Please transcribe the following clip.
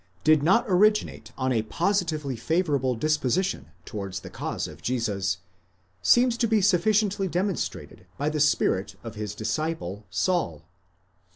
did not originate in a positively favourable disposition towards the cause of Jesus, seems to be sufficiently demonstrated by the spirit of his disciple Saul.